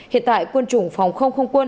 hiện tại quân chủng phòng không không quân